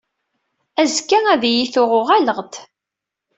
Azekka, ad iyi-tuɣ uɣaleɣ-d.